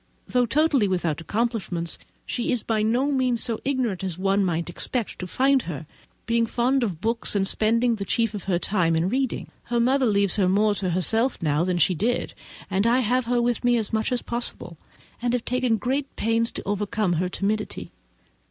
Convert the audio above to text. Though totally without accomplishments, she is by no means so ignorant as one might expect to find her, being fond of books and spending the chief of her time in reading. Her mother leaves her more to herself than she did, and I have her with me as much as possible, and have taken great pains to overcome her timidity.